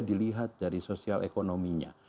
dilihat dari sosial ekonominya